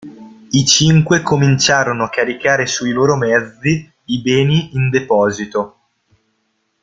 I cinque cominciarono a caricare sui loro mezzi i beni in deposito.